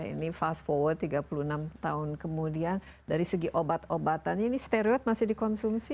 ini fast forward tiga puluh enam tahun kemudian dari segi obat obatannya ini stereot masih dikonsumsi